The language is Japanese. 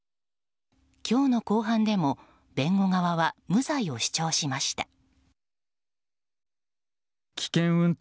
今日の公判でも、弁護側は無罪を主張しました。